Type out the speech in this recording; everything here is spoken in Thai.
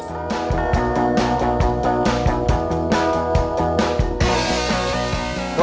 สวัสดีครับ